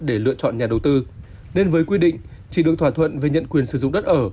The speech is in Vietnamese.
để lựa chọn nhà đầu tư nên với quy định chỉ được thỏa thuận về nhận quyền sử dụng đất ở